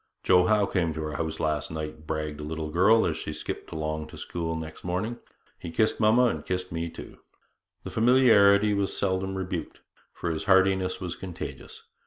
'Joe Howe came to our house last night,' bragged a little girl as she skipped along to school next morning; 'he kissed mamma and kissed me too.' The familiarity was seldom rebuked, for his heartiness was contagious.